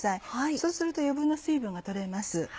そうすると余分な水分が取れます。